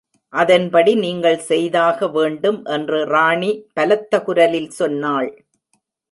அதன்படி நீங்கள் செய்தாக வேண்டும் என்று ராணி பலத்த குரலில் சொன்னாள்.